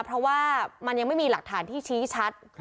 เพราะว่ามันยังไม่มีหลักฐานที่ชี้ชัด